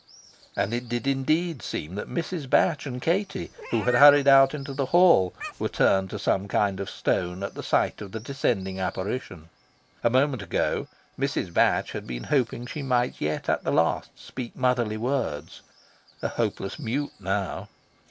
And it did indeed seem that Mrs. Batch and Katie, who had hurried out into the hall, were turned to some kind of stone at sight of the descending apparition. A moment ago, Mrs. Batch had been hoping she might yet at the last speak motherly words. A hopeless mute now!